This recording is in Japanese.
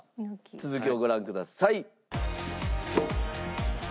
続きをご覧ください。